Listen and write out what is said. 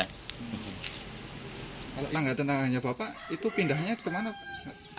kalau tangganya bapak itu pindahnya kemana pak